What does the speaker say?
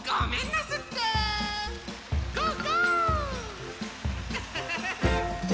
ゴーゴー！